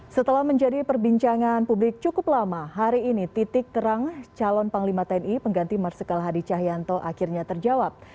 setelah menjadi perbincangan publik cukup lama hari ini titik terang calon panglima tni pengganti marsikal hadi cahyanto akhirnya terjawab